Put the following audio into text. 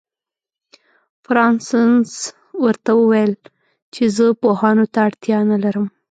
فرانسس ورته وویل چې زه پوهانو ته اړتیا نه لرم.